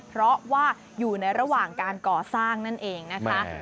เพราะว่าอยู่ในระหว่างการก่อสร้างนั่นเองนะคะ